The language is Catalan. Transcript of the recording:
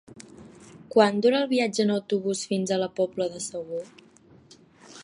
Quant dura el viatge en autobús fins a la Pobla de Segur?